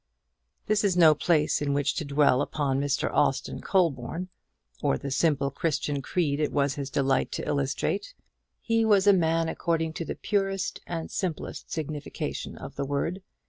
This is no place in which to dwell upon Mr. Austin Colborne, or the simple Christian creed it was his delight to illustrate. He was a Christian, according to the purest and simplest signification of the word.